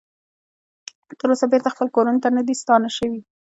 تر اوسه بیرته خپلو کورونو ته نه دې ستانه شوي